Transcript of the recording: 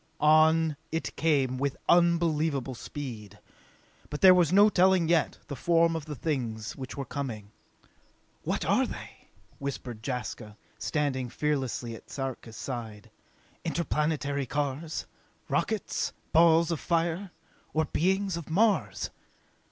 On it came with unbelievable speed. But there was no telling, yet, the form of the things which were coming. "What are they?" whispered Jaska, standing fearlessly at Sarka's side. "Interplanetary cars? Rockets? Balls of fire? Or beings of Mars?"